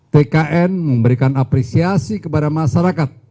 tkn memberikan apresiasi kepada masyarakat